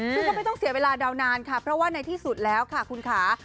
ซึ่งก็ไม่ต้องเสียเวลาเดานานค่ะเพราะว่าในที่สุดแล้วค่ะคุณค่ะ